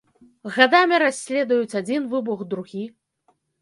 Гадамі расследуюць адзін выбух, другі.